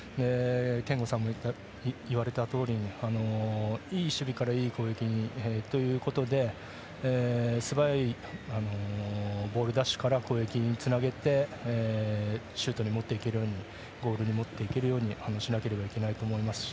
憲剛さんも言われたとおりにいい守備からいい攻撃ということですばやいボール奪取から攻撃につなげて、シュートにゴールに持っていけるようにしなければならないですし。